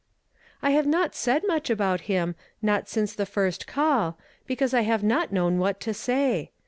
"' I have not said nnu^h about him, not since the fii"st call, because I have not known what to say.